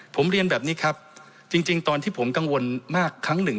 ผมเรียนแบบนี้ครับจริงตอนที่ผมกังวลมากครั้งหนึ่ง